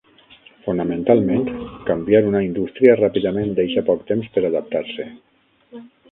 Fonamentalment, canviar una indústria ràpidament deixa poc temps per adaptar-se.